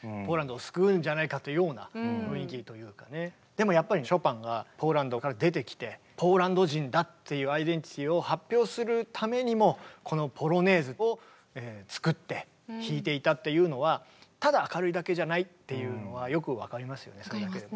まさしくでもやっぱりショパンがポーランドから出てきてポーランド人だっていうアイデンティティーを発表するためにもこの「ポロネーズ」を作って弾いていたっていうのはただ明るいだけじゃないっていうのはよく分かりますよね。